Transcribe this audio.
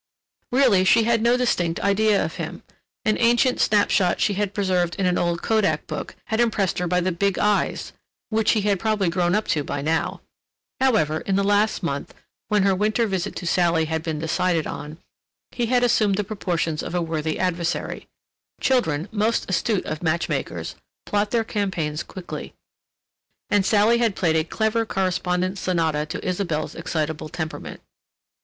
Really she had no distinct idea of him. An ancient snap shot she had preserved in an old kodak book had impressed her by the big eyes (which he had probably grown up to by now). However, in the last month, when her winter visit to Sally had been decided on, he had assumed the proportions of a worthy adversary. Children, most astute of match makers, plot their campaigns quickly, and Sally had played a clever correspondence sonata to Isabelle's excitable temperament.